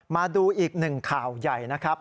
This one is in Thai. มาดูอีกหนึ่งข่าวใหญ่นะครับ